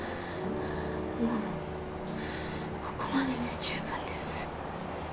もうここまでで十分です。